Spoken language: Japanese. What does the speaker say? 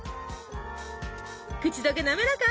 口溶けなめらか。